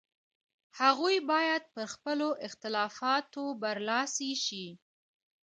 هغوی باید پر خپلو اختلافاتو برلاسي شي.